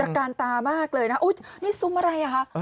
ตระกานตามากเลยนะนี่ซุ้มอะไรอ่ะ